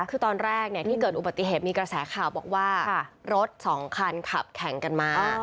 คือตอนแรกที่เกิดอุบัติเหตุมีกระแสข่าวบอกว่ารถสองคันขับแข่งกันมา